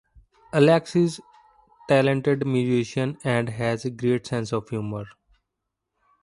Alex is a talented musician and has a great sense of humor.